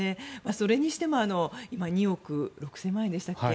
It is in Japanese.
それにしても今２億６０００万円でしたっけ